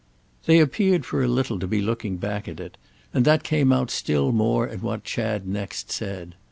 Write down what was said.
They appeared for a little to be looking back at it; and that came out still more in what Chad next said.